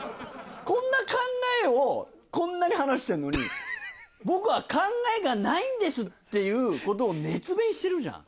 こんな考えをこんなに話してんのに「僕は考えがないんです」っていうことを熱弁してるじゃん。